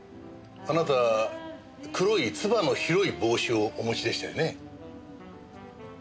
あなた黒いつばの広い帽子をお持ちでしたよね？